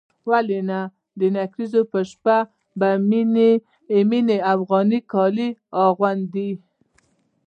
ولې نه د نکريزو په شپه به مينه افغاني کالي اغوندي.